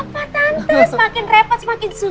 gak apa apa tante semakin repot semakin suka